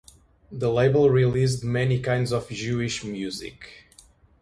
The label released many kinds of Jewish music.